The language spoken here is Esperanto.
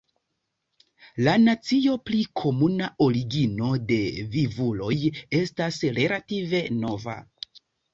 La nocio pri komuna origino de la vivuloj estas relative nova.